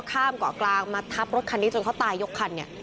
ข้ามเกาะกลางมาทับรถคันนี้จนเขาตายยกคันเนี่ย